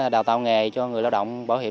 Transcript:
đào tạo nghề cho người lao động bảo hiểm